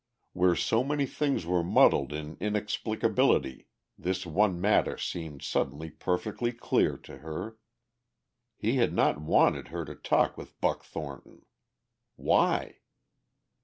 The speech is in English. Where so many things were muddled in inexplicability this one matter seemed suddenly perfectly clear to her. He had not wanted her to talk with Buck Thornton! Why?